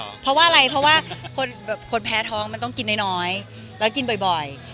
เพราะว่าอะไรเพราะว่าคนแพ้ท้องมันต้องกินน้อยแล้วกินบ่อย